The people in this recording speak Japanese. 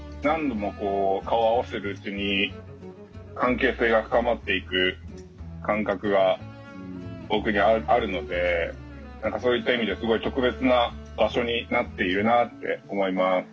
何度もこう顔を合わせるうちに関係性が深まっていく感覚が僕にあるので何かそういった意味ですごい特別な場所になっているなって思います。